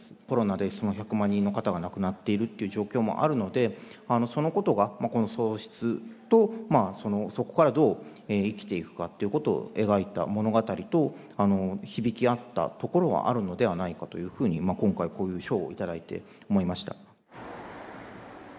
コロナで１００万人の方が亡くなっているという状況もあるので、そのことが喪失と、そこからどう生きていくかということを描いた物語と、響き合ったところはあるのではないかというふうに、今回、こういう賞を頂いて思いました。